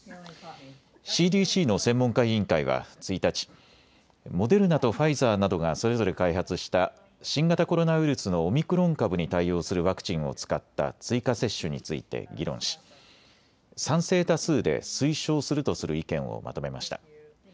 ＣＤＣの専門家委員会は１日、モデルナとファイザーなどがそれぞれ開発した新型コロナウイルスのオミクロン株に対応するワクチンを使った追加接種について議論し賛成多数で推奨するとする意見をまとめました。